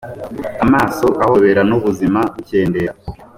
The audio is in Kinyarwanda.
amaso ahondobera n’ubuzima bukendera.